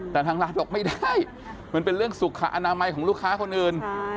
แต่ทางร้านบอกไม่ได้มันเป็นเรื่องสุขอนามัยของลูกค้าคนอื่น